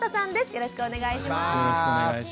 よろしくお願いします。